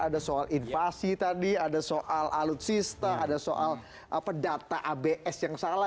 ada soal invasi tadi ada soal alutsista ada soal data abs yang salah